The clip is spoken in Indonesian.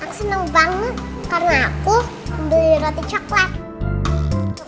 ma aku seneng banget karena aku beli roti coklat